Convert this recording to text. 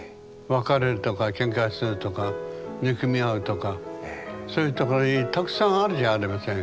別れるとかけんかするとか憎み合うとかそういうところたくさんあるじゃありませんか。